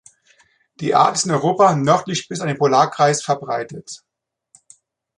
Die Art ist in Europa nördlich bis an den Polarkreis verbreitet.